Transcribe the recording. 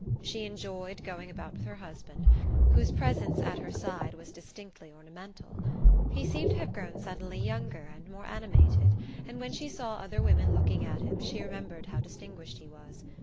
She enjoyed going about with her husband, whose presence at her side was distinctly ornamental. He seemed to have grown suddenly younger and more animated, and when she saw other women looking at him she remembered how distinguished he was.